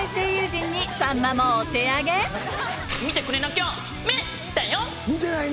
「見てくれなきゃメッ！だよ」。